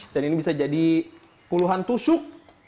dan ini bisa jadi puluhan tusuk